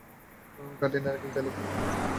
খাঁটি নারকেল তেলে পেঁয়াজ কুচি ছেড়ে দিচ্ছি।